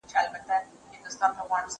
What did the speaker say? زه بايد امادګي ونيسم!